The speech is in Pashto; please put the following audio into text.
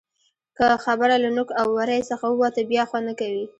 که خبره له نوک او ورۍ څخه ووته؛ بیا خوند نه کوي.